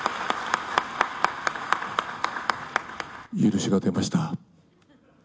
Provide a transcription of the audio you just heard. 許しが出ました。